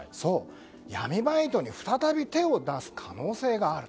闇バイトに再び手を出す可能性があると。